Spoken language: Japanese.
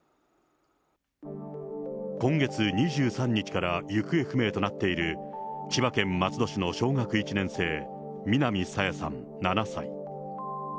今月２３日から行方不明となっている、千葉県松戸市の小学１年生、南朝芽さん７歳。